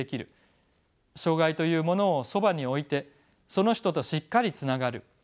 障がいというものをそばに置いてその人としっかりつながる。